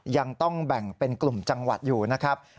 ยังต้องแบ่งเป็นกลุ่มจังหวัดอยู่นะครับ